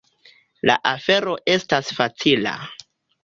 La afero estas facila.